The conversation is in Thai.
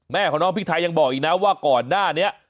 แม่ของน้องพริกไทยยังบอกอีกนะว่าก่อนหน้านี้